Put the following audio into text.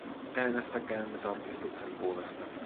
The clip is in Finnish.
Äänestäkäämme tarkistuksen puolesta.